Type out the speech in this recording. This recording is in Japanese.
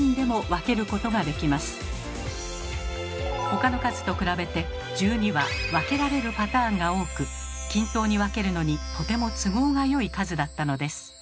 他の数と比べて１２は分けられるパターンが多く均等に分けるのにとても都合がよい数だったのです。